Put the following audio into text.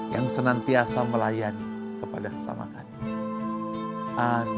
yang senantiasa melayani kepada sesama kami